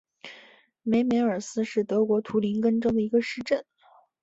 梅梅尔斯是德国图林根州的一个市镇。